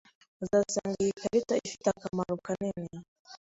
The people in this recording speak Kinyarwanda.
Uzasanga iyi karita ifite akamaro kanini.